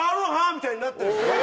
みたいになったんですよ。